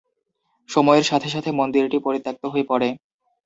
সময়ের সাথে সাথে মন্দিরটি পরিত্যক্ত হয়ে পড়ে।